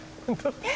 えっ。